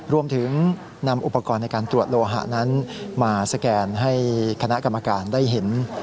รวมถึงนำอุปกรณ์ในการตรวจโลหะนั้นมาสแกนให้คณะกรรมการได้เห็น